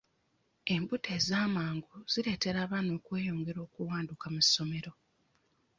Embuto ezamangu zireetera abaana okweyongera okuwanduka mu ssomero.